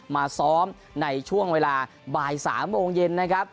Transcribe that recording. มาซ้อมในช่วงเวลาบ่าย๓โมงเย็นนะครับ